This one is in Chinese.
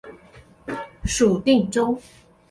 属定州。